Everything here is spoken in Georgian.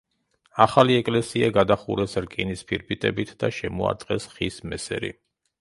ახალი ეკლესია გადახურეს რკინის ფირფიტებით და შემოარტყეს ხის მესერი.